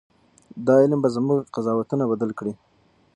دا علم به زموږ قضاوتونه بدل کړي.